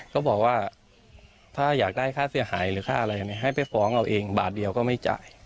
ก็บอกว่าถ้าอยากได้ค่าเสียหายหรือค่าอะไรให้ไปฟ้องเอาเองบาทเดียวก็ไม่จ่าย